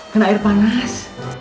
kena air panas